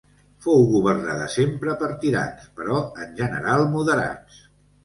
Fou governada sempre per tirans, però en general moderats.